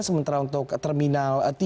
sementara untuk terminal tiga